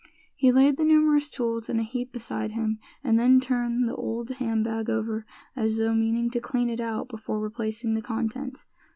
He laid the numerous tools in a heap beside him, and then turned the old hand bag over, as though meaning to clean it out before replacing the contents.